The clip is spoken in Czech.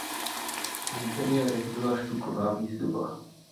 V interiérech byla štuková výzdoba.